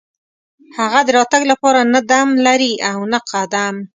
هغه د راتګ لپاره نه دم لري او نه قدم.